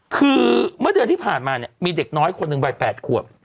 คือเมื่อเดือนที่ผ่านมาเนี่ยมีเด็กน้อยคนหนึ่งวัย๘ขวบ